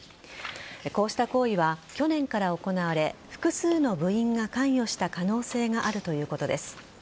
こうした行為は去年から行われ複数の部員が関与した可能性があるということです。